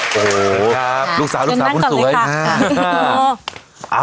โอ้โหครับลูกสาวลูกสาวคุณสวยขึ้นนั่งกันเลยครับค่ะอ้าว